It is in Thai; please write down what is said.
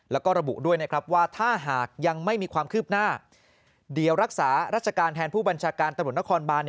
แล้วก็ระบุด้วยนะครับว่าถ้าหากยังไม่มีความคืบหน้าเดี๋ยวรักษารัชการแทนผู้บัญชาการตำรวจนครบาน